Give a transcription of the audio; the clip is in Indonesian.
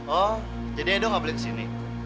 oh jadi edo gak beli kesini